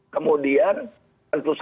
kemudian tentu saja